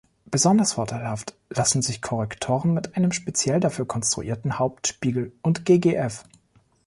Besonders vorteilhaft lassen sich Korrektoren mit einem speziell dafür konstruierten Hauptspiegel und ggf.